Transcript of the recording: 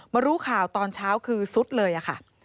รู้ข่าวตอนเช้าคือซุดเลยค่ะ